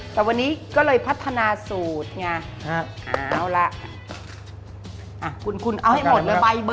แต่วันนี้ก็เลยพัฒนาสูตรไงเอาละคุณเอาให้หมดเลยใบเบอร์